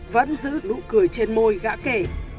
vẫn giữ nụ cười trên môi gã kể